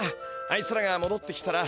あいつらがもどってきたら。